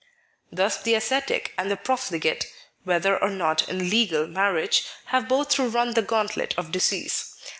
Thus the ascetic and the profligate (whether or not in legal marriage) have both to run the gauntlet of disease.